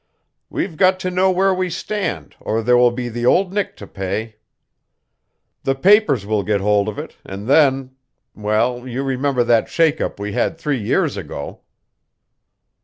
We've got to know where we stand, or there will be the Old Nick to pay. The papers will get hold of it, and then well, you remember that shake up we had three years ago."